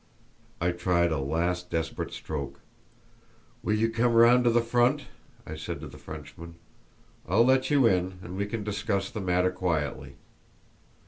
I tried a last desperate stroke. "Will you come round to the front?" I said to the Frenchman. "I'll let you in, and we can discuss the matter quietly."